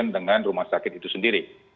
dengan rumah sakit itu sendiri